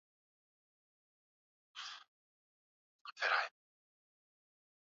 Pia Zanzibar ina uzuri wa ajabu wa visiwa na vivutio vyake vingi